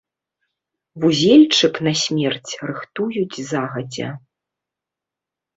Вузельчык на смерць рыхтуюць загадзя.